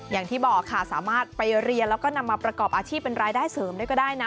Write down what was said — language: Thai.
อย่างที่บอกค่ะสามารถไปเรียนแล้วก็นำมาประกอบอาชีพเป็นรายได้เสริมด้วยก็ได้นะ